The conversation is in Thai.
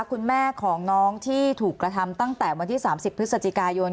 คุณแม่ของน้องที่ถูกกระทำตั้งแต่วันที่๓๐พฤศจิกายน